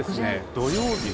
土曜日の